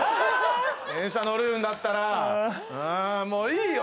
電車乗るんだったらもういいよ